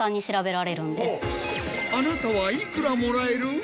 あなたはいくらもらえる？